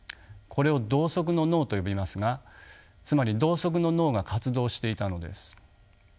これを「同側の脳」と呼びますがつまり同側の脳が活動していたのです。